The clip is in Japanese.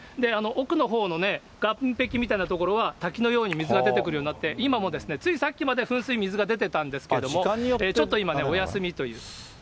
奥のほうの岸壁みたいな所は滝のように水が出てくるようになって、今もついさっきまで噴水、水が出てたんですけれども、ちょっと今、お休みという。